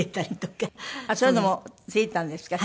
そういうのもついてたんですか？